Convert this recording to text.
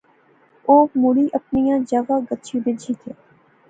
او مڑی اپنیاں جاغا گچھی بہجی گیا